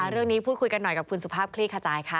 เรื่องนี้พูดคุยกันหน่อยกับคุณสุภาพคลี่ขจายค่ะ